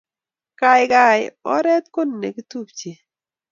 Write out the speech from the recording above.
Gaigai, oret ko ni nekitupche